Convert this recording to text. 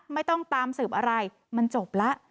ไม่ต้องตามสืบอะไรมันจบแล้ว